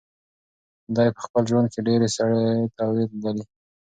دی په خپل ژوند کې ډېرې سړې تودې لیدلي.